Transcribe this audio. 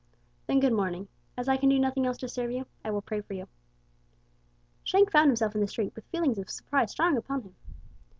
"Then good morning. As I can do nothing else to serve you, I will pray for you." Shank found himself in the street with feelings of surprise strong upon him.